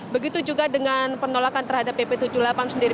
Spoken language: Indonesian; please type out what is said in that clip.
begitu juga dengan penolakan terhadap pp tujuh puluh delapan sendiri